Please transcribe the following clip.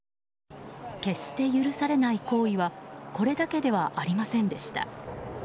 決して許されない行為はこれだけではありませんでした。